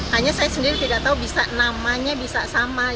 hanya saya sendiri tidak tahu bisa namanya bisa sama